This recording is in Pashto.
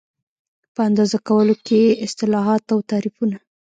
په اندازه کولو کې اصطلاحات او تعریفونه